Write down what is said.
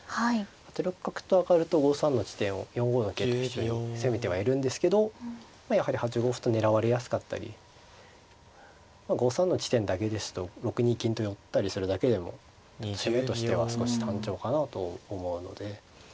８六角と上がると５三の地点を４五の桂と一緒に攻めてはいるんですけどやはり８五歩と狙われやすかったり５三の地点だけですと６二金と寄ったりするだけでも攻めとしては少し単調かなと思うので。